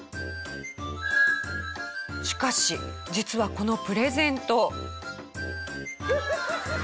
しかし実はこのプレゼント。